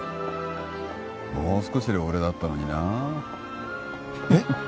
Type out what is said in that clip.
もう少しで俺だったのになえっ？